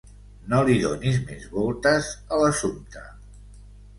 No li donis més voltes a l'assumpte.